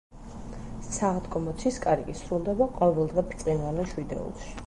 სააღდგომო ცისკარი კი სრულდება ყოველდღე ბრწყინვალე შვიდეულში.